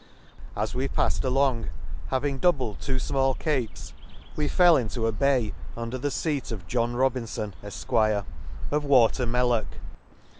As we paffed along, having doubled two fmall capes, we fell into a bay, under the feat of John Robinfon, Efq; of Water the Lakes. 67 Water Mel lock.